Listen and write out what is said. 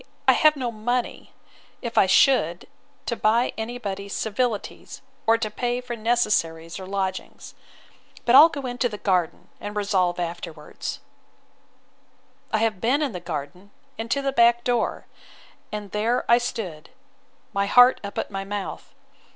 I have no money, if I should, to buy any body's civilities, or to pay for necessaries or lodgings. But I'll go into the garden, and resolve afterwards—— I have been in the garden, and to the back door: and there I stood, my heart up at my mouth.